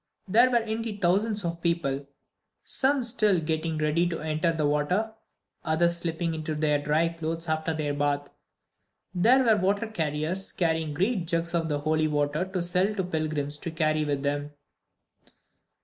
There were indeed thousands of people; some just getting ready to enter the water; others slipping into their dry clothes after their bath. There were water carriers, carrying great jugs of the "holy water" to sell to pilgrims to carry with them.